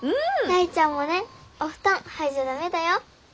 大ちゃんもね。お布団剥いじゃ駄目だよ。